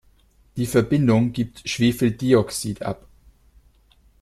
Die Verbindung gibt Schwefeldioxid ab.